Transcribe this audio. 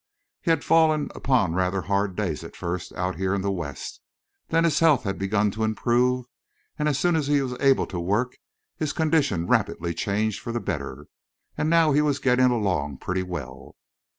He had fallen upon rather hard days at first out here in the West; then his health had begun to improve; and as soon as he was able to work his condition rapidly changed for the better; and now he was getting along pretty well.